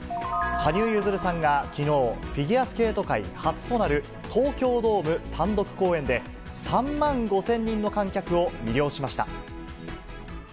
羽生結弦さんがきのう、フィギュアスケート界初となる東京ドーム単独公演で、３万５０００人の観客を魅了しました。